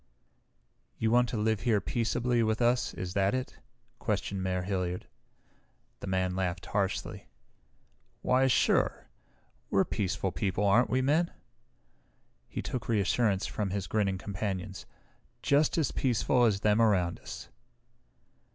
"You want to live here peaceably with us, is that it?" questioned Mayor Hilliard. The man laughed harshly. "Why sure! We're peaceful people, aren't we, Men?" He took reassurance from his grinning companions. "Just as peaceful as them around us."